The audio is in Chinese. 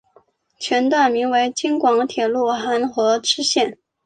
全段名为京广铁路邯和支线。